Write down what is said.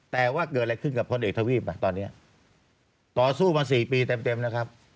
แต่ว่าเกิดอะไรขึ้นกับคนเอกทะวีบอ่ะตอนเนี้ยต่อสู้มาสี่ปีเต็มเต็มนะครับ